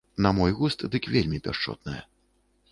На мой густ, дык вельмі пяшчотнае.